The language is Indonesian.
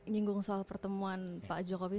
nyinggung soal pertemuan pak jokowi